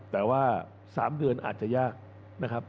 แต่ว่า๓เดือนอาจจะยากนะครับ